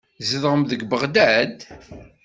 Tzedɣem deg Beɣdad?